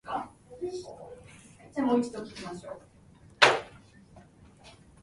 そして、近くで見ると、色以外も違うことがわかった。異様だった。